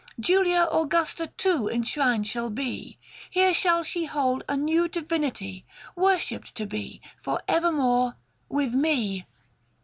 Julia Augusta, too, enshrined shall be ; 565 Here shall she hold a new divinity, Worshipped to be, for evermore, with me.